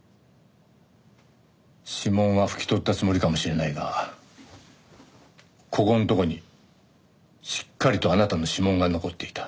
指紋は拭き取ったつもりかもしれないがここんとこにしっかりとあなたの指紋が残っていた。